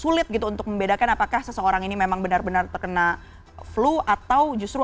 sulit gitu untuk membedakan apakah seseorang ini memang benar benar terkena flu atau justru